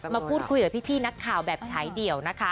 มาพูดคุยกับพี่นักข่าวแบบฉายเดี่ยวนะคะ